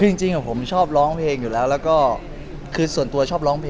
คือจริงผมชอบร้องเพลงอยู่แล้วแล้วก็คือส่วนตัวชอบร้องเพลง